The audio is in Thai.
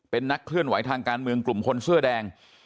เป็นนักเคลื่อนไหวทางการเมืองกลุ่มคนเสื้อแดง